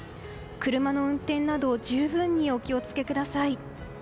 車の運転など十分にお気をつけください。